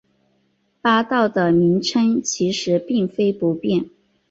八道的名称其实并非不变。